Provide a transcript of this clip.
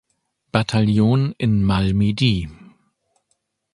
Bataillon in Malmedy.